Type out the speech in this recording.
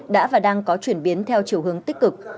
đã và đang có chuyển biến theo chiều hướng tích cực